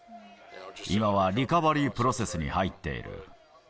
今はリカバリー・プロセスに入っている。